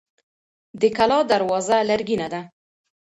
د کلا دروازه لرګینه ده.